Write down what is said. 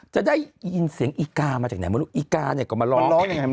จะได้ยินเสียงอีกามาจากไหนอีกาก็มาร้อง